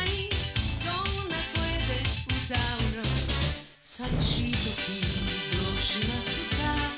「どんな声で歌うの」「さみしいときどうしますか」